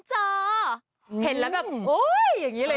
ยังไม่ได้พิเศษ